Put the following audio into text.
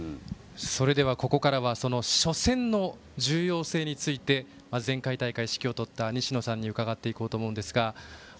ここからは初戦の重要性について前回大会、指揮を執った西野さんに伺います。